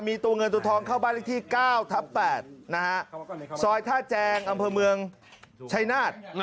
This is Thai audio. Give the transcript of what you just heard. มีตัวเงินที่เข้าบ้านที่๙๘นะฮะซอยธาตุแจงอำเภอเมืองชัยนาธ